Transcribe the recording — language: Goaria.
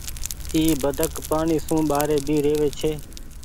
اي بدڪ پآڻيٚ سون ٻآري ڀي رهوي ڇي۔